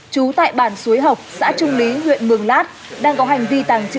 trú tại bản suối học xã trung lý huyện mường lát